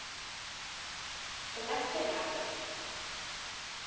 HART.] DOMESTIC CATTLE.